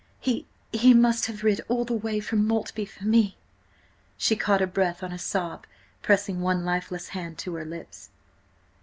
He–he must have rid all the way from Maltby–for me!" She caught her breath on a sob, pressing one lifeless hand to her lips.